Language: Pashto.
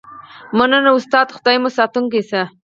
مننه استاده خدای مو ساتونکی شه